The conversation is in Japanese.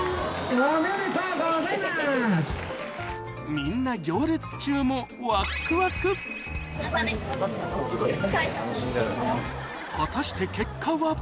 みんな行列中も果たして結果は？